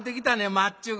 まっちゅぐ。